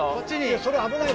それ危ないよ